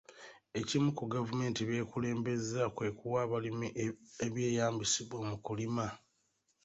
Ekimu ku gavumenti by'ekulembezza kwe kuwa abalimi ebyeyambisibwa mu kulima.